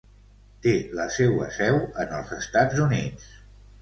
Té la seua seu en els Estats Units.